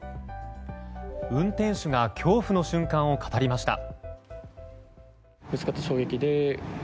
運転手が恐怖の瞬間を語りました。